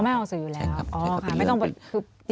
อ๋อไม่ออกสื่ออยู่แล้ว